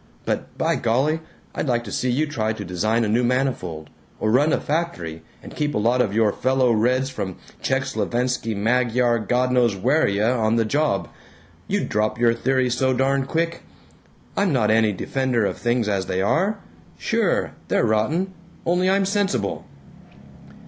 But, by golly, I'd like to see you try to design a new manifold, or run a factory and keep a lot of your fellow reds from Czech slovenski magyar godknowswheria on the job! You'd drop your theories so darn quick! I'm not any defender of things as they are. Sure. They're rotten. Only I'm sensible."